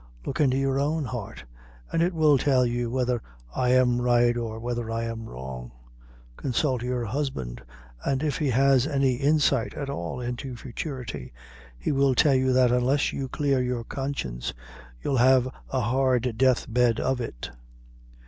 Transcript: Look into your own heart, and it will tell you whether I am right or whether I am wrong. Consult your husband, and if he has any insight at all into futurity, he must tell you that, unless you clear your conscience, you'll have a hard death bed of it."